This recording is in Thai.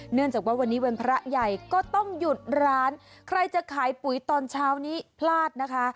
เนื่องจากว่าวันนี้วันพระใหญ่ก็ต้องหยุดร้านใครจะขายปุ๋ยตอนเช้านี้พลาดนะคะ